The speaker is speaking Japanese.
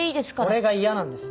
俺が嫌なんです。